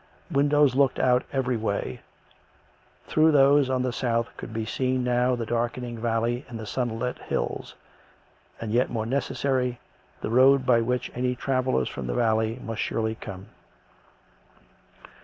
Windows looked out every way; through those on the south could be seen now the darkening valley and the sunlit hills, and, yet more necess'ary, the road by which any travellers from the valley must surely come.